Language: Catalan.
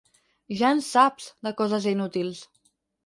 Ja en saps, de coses inútils!